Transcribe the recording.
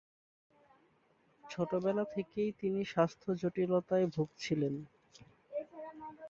ছোটবেলা থেকেই তিনি স্বাস্থ্য জটিলতায় ভুগছিলেন।